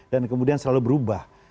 dan kemudian selalu berubah